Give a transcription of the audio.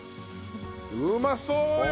うまそうよ！